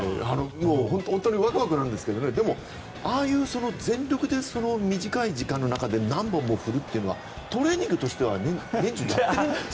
本当にワクワクなんですがああいう、全力で短い時間の中で何本も振るというのはトレーニングとしては？